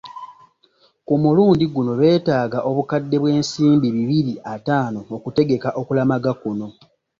Ku mulundi guno beetaaga obukadde bw’ensimbi bibiri ataano okutegeka okulamaga kuno.